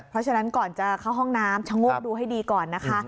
เพราะฉะนั้นก่อนจะเข้าห้องน้ำชะโงกดูให้ดีก่อนนะคะ